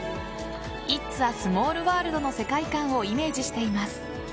イッツ・ア・スモール・ワールドの世界観をイメージしています。